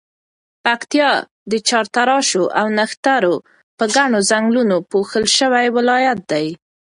پکتیا د شاتراشو او نښترو په ګڼو ځنګلونو پوښل شوی ولایت دی.